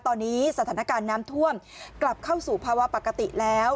ตอนนี้สถานการณ์น้ำท่วมกลับเข้าสู่ภาวะปกติแล้ว